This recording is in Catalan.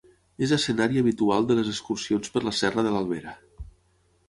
És escenari habitual de les excursions per la Serra de l'Albera.